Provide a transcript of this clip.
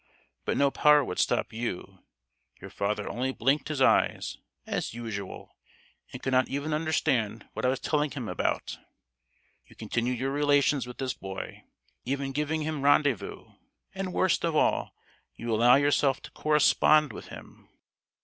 But no power would stop you; your father only blinked his eyes, as usual, and could not even understand what I was telling him about. You continue your relations with this boy, even giving him rendezvous, and, worst of all, you allow yourself to correspond with him!